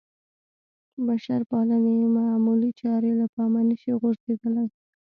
بشرپالنې معمولې چارې له پامه نه شي غورځېدلی.